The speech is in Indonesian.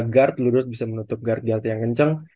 guard ludort bisa menutup guard yang kenceng